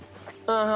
ああ。